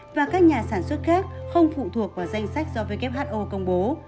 và các nhà sản xuất khác không phụ thuộc vào danh sách do who công bố